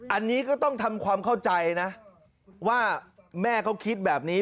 อันนี้ก็ต้องทำความเข้าใจนะว่าแม่เขาคิดแบบนี้